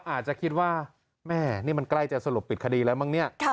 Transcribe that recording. อาจจะคิดว่าแม่นี่มันใกล้จะสรุปปิดคดีแล้วมั้งเนี่ย